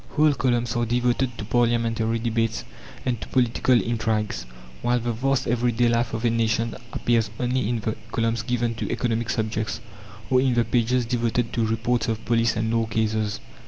Whole columns are devoted to parliamentary debates and to political intrigues; while the vast everyday life of a nation appears only in the columns given to economic subjects, or in the pages devoted to reports of police and law cases.